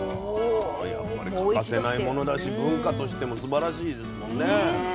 やっぱり欠かせないものだし文化としてもすばらしいですもんね。